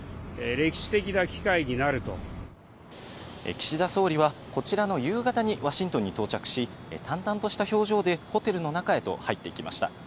岸田総理はこちらの夕方にワシントンに到着し、淡々とした表情でホテルの中へと入っていきました。